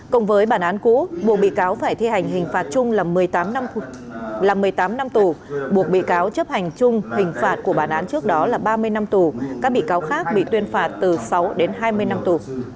cộng với bản án cũ bộ bị cáo phải thi hành hình phạt chung là một mươi tám là một mươi tám năm tù buộc bị cáo chấp hành chung hình phạt của bản án trước đó là ba mươi năm tù các bị cáo khác bị tuyên phạt từ sáu đến hai mươi năm tù